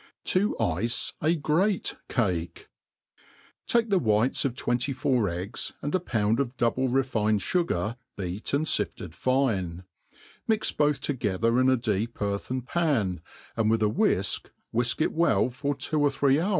To ice a great Cakei TAKE the whites of twenty feur egg^, and a pound of doer* ble rt'incd fugar beat and fifted fine; mix both together in a deep cr.rthen pan, and with a whifk whifk it well for two or thite hr